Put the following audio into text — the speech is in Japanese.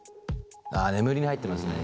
あ眠りに入ってますね